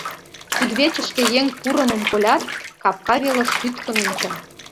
Кудывечышке еҥ пурымым колят, капка велыш тӱткын онча.